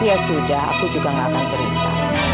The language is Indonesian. ya sudah aku juga gak akan cerita